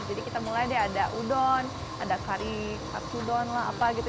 jadi kita mulai deh ada udon ada curry katsu udon lah apa gitu